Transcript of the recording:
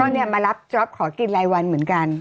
เนี่ยมารับจ๊อปขอกินรายวันเหมือนกัน